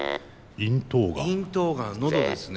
咽頭ガン喉ですね。